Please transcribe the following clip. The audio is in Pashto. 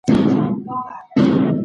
ګډ کار پرمختګ راولي.